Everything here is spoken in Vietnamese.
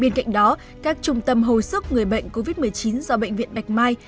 bên cạnh đó các trung tâm hồi sức người bệnh covid một mươi chín do bệnh viện bạch mai